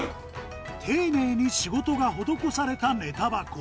丁寧に仕事が施されたネタ箱。